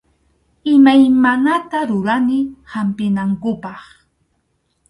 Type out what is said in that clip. Imaymanata rurani hampinankupaq.